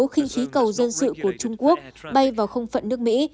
khinh khí cầu dân sự của trung quốc bay vào không phận nước mỹ